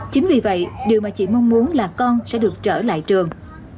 chính vì vậy điều mà chị mong muốn là con sẽ được trở lại trường